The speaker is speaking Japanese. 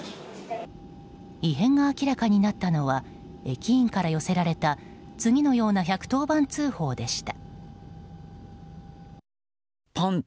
異変が明らかになったのは駅員から寄せられた次のような１１０番通報でした。